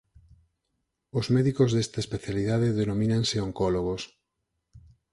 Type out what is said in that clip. Os médicos desta especialidade denomínanse oncólogos.